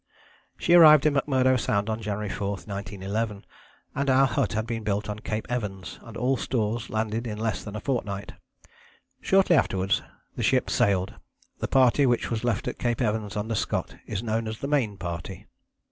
She arrived in McMurdo Sound on January 4, 1911, and our hut had been built on Cape Evans and all stores landed in less than a fortnight. Shortly afterwards the ship sailed. The party which was left at Cape Evans under Scott is known as the Main Party.